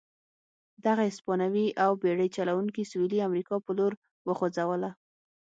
دغه هسپانوي او بېړۍ چلوونکي سوېلي امریکا په لور وخوځوله.